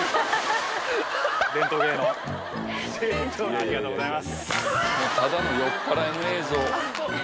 ありがとうございます。